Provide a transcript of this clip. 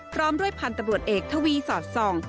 กรอบด้วยพันธบรวจเอกทวีสอดส่อง